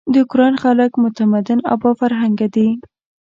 د اوکراین خلک متمدن او با فرهنګه دي.